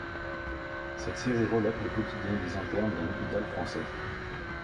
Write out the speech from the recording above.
Cette série relate le quotidien des internes d'un hôpital français.